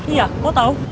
iya kok tahu